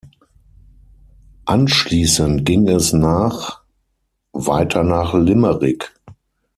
Anschließend ging es nach weiter nach Limerick.